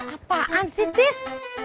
apaan sih dis